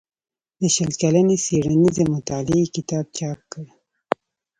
د شل کلنې څيړنيزې مطالعې کتاب چاپ کړ